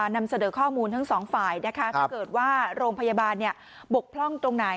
นำเสนอข้อมูลทั้งสองฝ่ายนะคะถ้าเกิดว่าโรงพยาบาลบกพร่องตรงไหน